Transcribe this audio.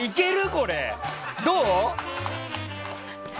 これ、どう？